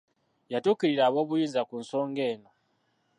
Yatuukirira ab'obuyinza ku nsonga eno.